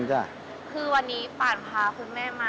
คือวันนี้ปานพาคุณแม่มา